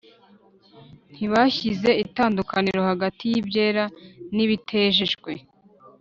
Ntibashyize itandukaniro hagati y’ibyera n’ibitejejwe,